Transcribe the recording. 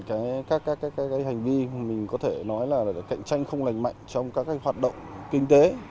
các hành vi mình có thể nói là cạnh tranh không lành mạnh trong các hoạt động kinh tế